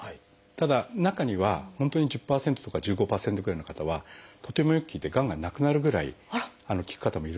ただ中には本当に１０％とか１５％ぐらいの方はとてもよく効いてがんがなくなるぐらい効く方もいるので。